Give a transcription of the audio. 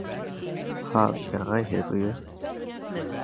How can I help you?